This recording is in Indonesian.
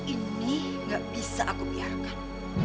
ini gak bisa aku biarkan